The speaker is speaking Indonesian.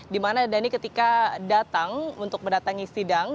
dimana dhani ketika datang untuk mendatangi sidang